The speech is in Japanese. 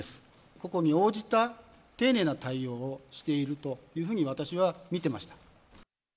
個々に応じた丁寧な対応をしているというふうに私は見てました。